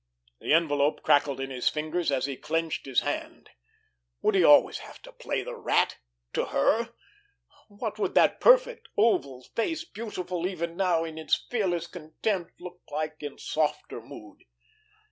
The envelope crackled in his fingers, as he clenched his hand. Would he always have to play the Rat—to her! What would that perfect oval face, beautiful even now in its fearless contempt, look like in softer mood?